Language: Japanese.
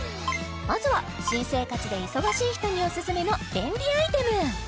まずは新生活で忙しい人にオススメの便利アイテム